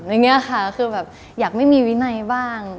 อย่างนี้ค่ะคือแบบอยากไม่มีวินัยบ้าง